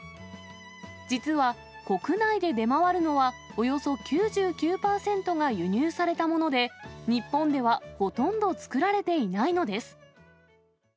実は国内で出回るのは、およそ９９％が輸入されたもので、日本ではほとんど作られていないのです。